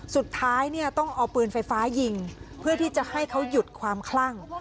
สุดท้ายเนี่ยต้องเอาปืนไฟฟ้ายิงเพื่อที่จะให้เขาหยุดความคลั่ง